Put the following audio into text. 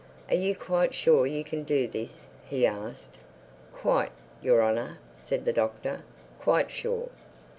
"Are you quite sure you can do this?" he asked. "Quite, Your Honor," said the Doctor—"quite sure."